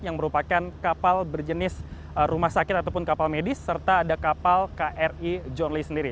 yang merupakan kapal berjenis rumah sakit ataupun kapal medis serta ada kapal kri john lee sendiri